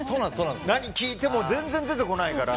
何を聞いても全然出てこないから。